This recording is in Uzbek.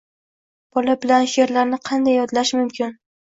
Bola bilan she'rlarni qanday yodlash mumkin?